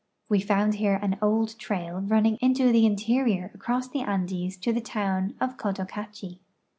We found here an old trail running into the interior across the Andes to the town of Cotocachi.